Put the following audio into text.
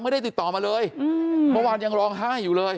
ไม่ได้ติดต่อมาเลยเมื่อวานยังร้องไห้อยู่เลย